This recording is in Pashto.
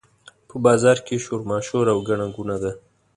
په بازار کې شورماشور او ګڼه ګوڼه ده.